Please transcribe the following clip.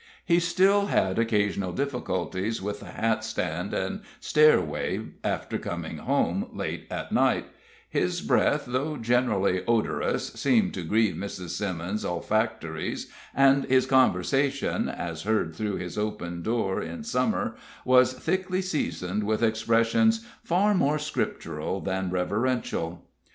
He still had occasional difficulties with the hat stand and stairway after coming home late at night; his breath, though generally odorous, seemed to grieve Mrs. Simmons's olfactories, and his conversation, as heard through his open door in Summer, was thickly seasoned with expressions far more Scriptural than reverential.